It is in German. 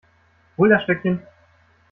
Hol das Stöckchen.